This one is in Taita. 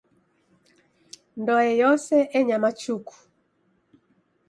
Ndoe yose enyama chuku.